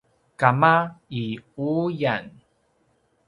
kama i uyan